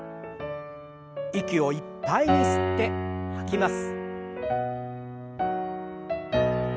息をいっぱいに吸って吐きます。